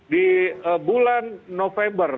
di bulan november